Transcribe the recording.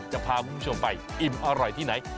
จะพาคุณผู้ชมไปอิ่มอร่อยที่ไหน